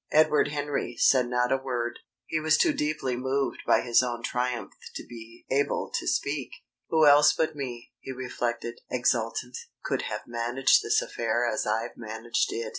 Edward Henry said not a word. He was too deeply moved by his own triumph to be able to speak. "Who else but me," he reflected, exultant, "could have managed this affair as I've managed it?